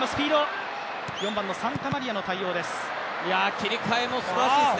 切り替えもすばらしいですね。